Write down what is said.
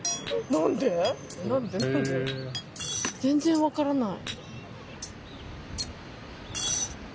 全然分からない。